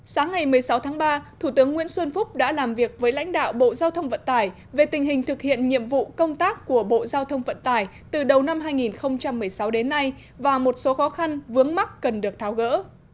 sáng ngày một mươi sáu tháng ba thủ tướng nguyễn xuân phúc đã làm việc với lãnh đạo bộ giao thông vận tải về tình hình thực hiện nhiệm vụ công tác của bộ giao thông vận tải từ đầu năm hai nghìn một mươi sáu đến nay và một số khó khăn vướng mắt cần được tháo gỡ